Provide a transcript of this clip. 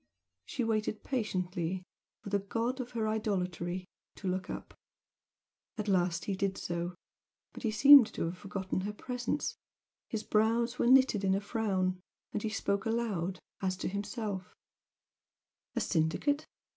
She waited patiently for the "god of her idolatry" to look up. At last he did so. But he seemed to have forgotten her presence. His brows were knitted in a frown, and he spoke aloud, as to himself "A syndicate!